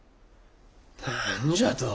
何じゃと？